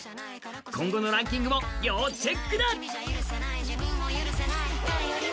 今後のランキングも要チェックだ！